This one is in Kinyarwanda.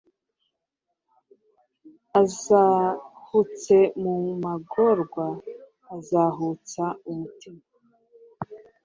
Azahutse mu magorwa aruhutsa umutima